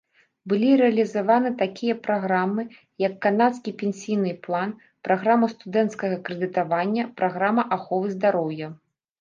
Былі рэалізаваны такія праграмы, як канадскі пенсійны план, праграма студэнцкага крэдытавання, праграма аховы здароўя.